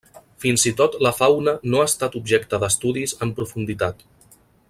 Fins i tot la fauna no ha estat objecte d'estudis en profunditat.